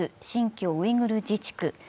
新疆ウイグル自治区。